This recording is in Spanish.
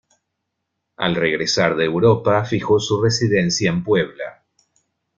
Al regresar de Europa, fijó su residencia en Puebla.